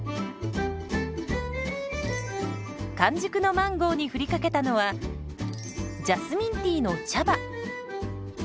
完熟のマンゴーに振りかけたのはジャスミンティーの茶葉。